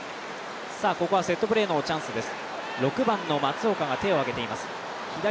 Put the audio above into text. ここはセットプレーのチャンスです。